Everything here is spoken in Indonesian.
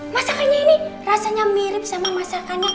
masakannya ini rasanya mirip sama masakannya